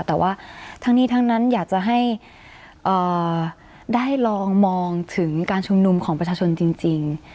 แต่ว่าทั้งนี้ทั้งนั้นอยากจะให้ได้ลองมองถึงการชุมนุมของประชาชนจริง